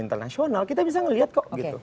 internasional kita bisa melihat kok gitu